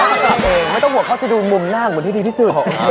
ไม่ต้องห่วงเขาจะดูมุมหน้าเหมือนที่ดีที่สุด